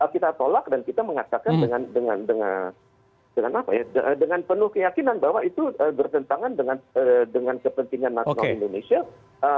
kita tolak dan kita mengatakan dengan penuh keyakinan bahwa itu bertentangan dengan kepentingan nasional indonesia